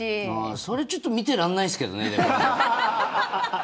それちょっと見てらんないですけどね。